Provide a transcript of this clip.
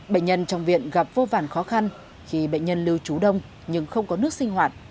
bệnh nhân trong viện gặp vô vàn khó khăn khi bệnh nhân lưu trú đông nhưng không có nước sinh hoạt